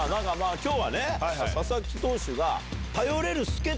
今日はね佐々木投手が。